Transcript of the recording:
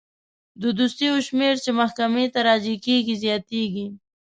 د دوسیو شمیر چې محکمې ته راجع کیږي زیاتیږي.